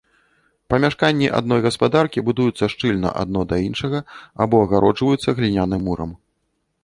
Памяшканні адной гаспадаркі будуюцца шчыльна адно да іншага або агароджваюцца гліняным мурам.